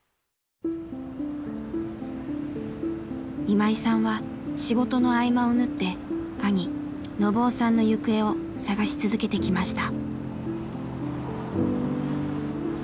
今井さんは仕事の合間を縫って兄信雄さんの行方を探し続けてきました。